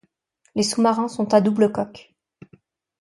Les sous-marins sont à double coque.